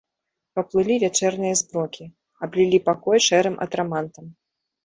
Паплылі вячэрнія змрокі, аблілі пакой шэрым атрамантам.